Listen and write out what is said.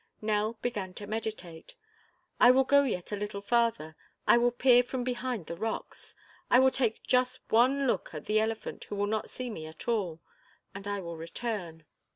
Nell began to meditate. "I will go yet a little farther. I will peer from behind the rocks; I will take just one look at the elephant who will not see me at all, and I will return."